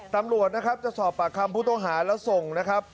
ตำรวจนะครับจะสอบปากคำผู้ต้องหาแล้วส่งนะครับ